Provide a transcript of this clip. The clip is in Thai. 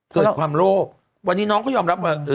เกิดความโลภวันนี้น้องเขายอมรับว่า